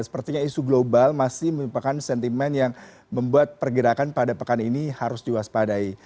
sepertinya isu global masih merupakan sentimen yang membuat pergerakan pada pekan ini harus diwaspadai